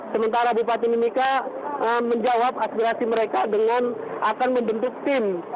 sementara bupati mimika menjawab aspirasi mereka dengan akan membentuk tim